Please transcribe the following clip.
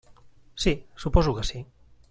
Sí, suposo que sí.